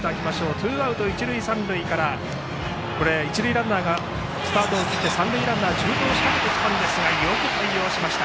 ツーアウト一塁三塁から一塁ランナーがスタートを切って三塁ランナーが重盗をかけてきたんですがよく対応しました。